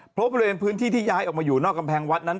เพราะบริเวณพื้นที่ที่ย้ายออกมาอยู่นอกกำแพงวัดนั้น